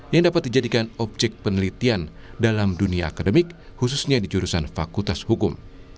yang dapat dijadikan objek penelitian dalam dunia akademik khususnya di jurusan fakultas hukum